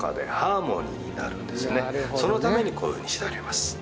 そのためにこういうふうにしております。